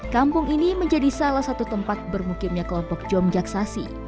kampung ini menjadi salah satu tempat bermukimnya kelompok jom jaksasi